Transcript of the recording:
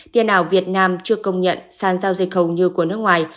tiền ảo việt nam chưa công nhận sàn giao dịch hầu như của nước ngoài